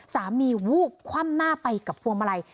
วูบคว่ำหน้าไปกับพวงมาลัย